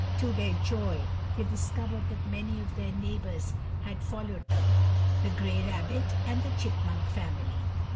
To their joy they discovered that many of their neighbors had followed them, the gray rabbit, and the chipmunk family.